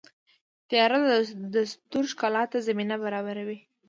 • تیاره د ستورو ښکلا ته زمینه برابروي.